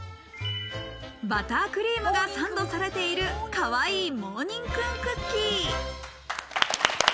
バタークリームがサンドされているかわいい、もうにん君クッキー。